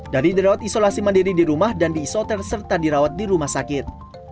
dari dirawat isolasi mandiri di rumah dan diisoter serta dirawat di rumah sakit